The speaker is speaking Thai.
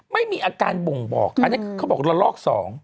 ไม่มีอาการบ่งบอกอันนี้คือเขาบอกละลอก๒